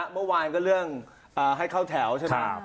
เมื่อวานก็เรื่องให้เข้าแถวใช่ไหม